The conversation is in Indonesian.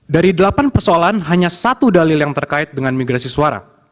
dari delapan persoalan hanya satu dalil yang terkait dengan migrasi suara